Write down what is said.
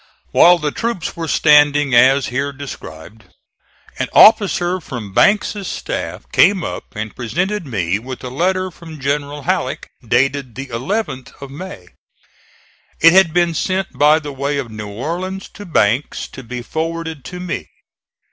While the troops were standing as here described an officer from Banks' staff came up and presented me with a letter from General Halleck, dated the 11th of May. It had been sent by the way of New Orleans to Banks to be forwarded to me.